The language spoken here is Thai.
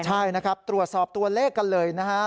ใช่นะครับตรวจสอบตัวเลขกันเลยนะฮะ